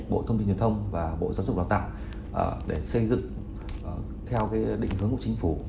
bộ thông tin truyền thông và bộ giáo dục đào tạo để xây dựng theo định hướng của chính phủ